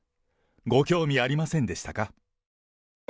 ご興味ありませんでしたか？